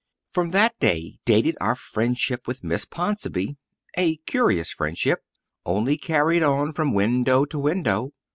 From that day dated our friendship with Miss Ponsonby, a curious friendship, only carried on from window to window.